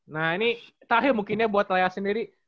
nah ini terakhir mungkinnya buat lea sendiri